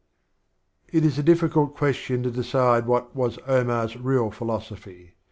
* It is a difficult question to decide what was Omar's real philosophy.